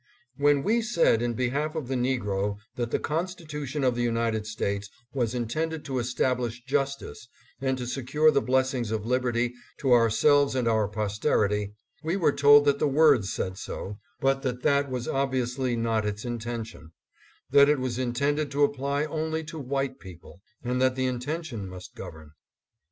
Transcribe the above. When we said in behalf of the negro that the Constitution of the United States was intended to establish justice and to secure the blessings of liberty to ourselves and our posterity, we were told that the words said so, but that that was obviously not its in tention ; that it was intended to apply only to white people, and that the intention must govern.